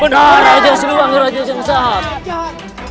benar raja sidiwagi raja yang sahab